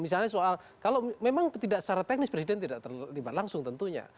misalnya soal kalau memang tidak secara teknis presiden tidak terlibat langsung tentunya